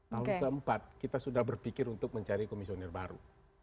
tahun keempat kita sudah berpikir untuk mencari komisioner baru